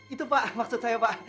itu pak maksud saya pak